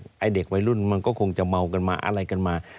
ไอ้เด็กวัยรุ่นมันก็คงจะเมากันมาอะไรกันมา